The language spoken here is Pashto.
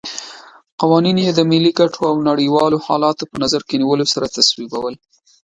قوانین یې د ملي ګټو او نړیوالو حالاتو په نظر کې نیولو سره تصویبول.